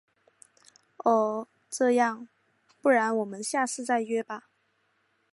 哦……这样，不然我们下次再约吧。